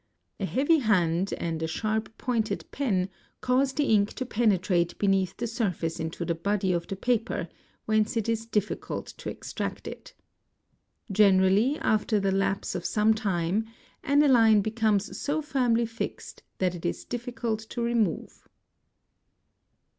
A heavy hand and a sharp | pointed pen cause the ink to penetrate beneath the surface into the body of the paper, whence it is difficult to extract it. Generally after the _ lapse of some time aniline becomes so firmly fixed that it is difficult to _ remove.